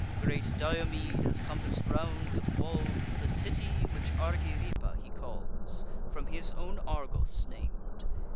Great Diomede has compass'd round with walls The city, which Argyripa he calls, From his own Argos nam'd.